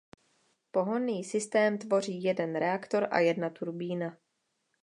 Pohonný systém tvoří jeden reaktor a jedna turbína.